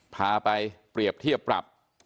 พาไปเปรียบเทียบปรับ